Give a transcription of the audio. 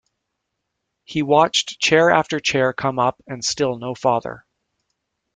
He watched chair after chair come up, and still no father.